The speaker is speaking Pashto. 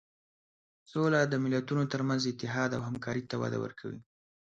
سوله د ملتونو تر منځ اتحاد او همکاري ته وده ورکوي.